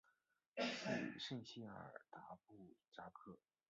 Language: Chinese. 圣谢尔达布扎克。